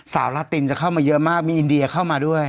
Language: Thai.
ลาตินจะเข้ามาเยอะมากมีอินเดียเข้ามาด้วย